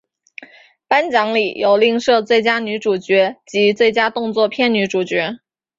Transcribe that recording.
颁奖礼有另设最佳女主角及最佳动作片女主角。